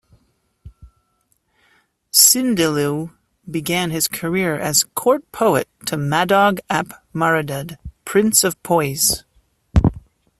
Cynddelw began his career as court poet to Madog ap Maredudd, Prince of Powys.